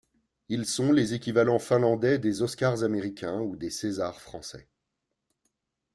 Ils sont les équivalents finlandais des Oscars américains ou des César français.